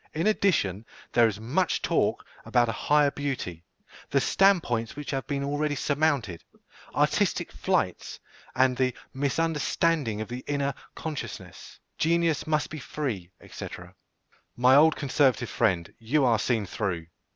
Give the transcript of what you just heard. In addition, there is much talk about a "higher beauty," "the stand points which have been already surmounted," "artistic flights," and the "misunderstanding of the inner consciousness," "Genius must be free," &c. My old conservative friend, you are seen through.